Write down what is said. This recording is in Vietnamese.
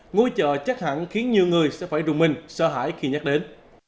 ngôi chợ chắc hẳn khiến nhiều người sẽ phải rung minh sợ hãi khi nhắc đến